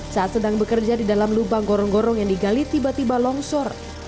saat sedang bekerja di dalam lubang gorong gorong yang digali tiba tiba longsor